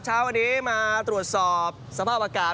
เช้าวันนี้มาตรวจสอบสภาพอากาศ